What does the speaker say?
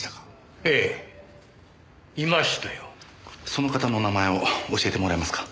その方のお名前を教えてもらえますか。